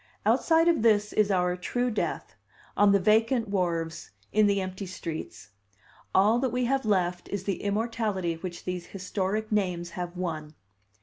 Outside of this is our true death, on the vacant wharves, in the empty streets. All that we have left is the immortality which these historic names have won."